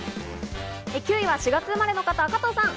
９位は４月生まれの方、加藤さん。